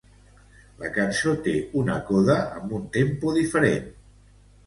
La cançó té una coda amb un tempo diferent.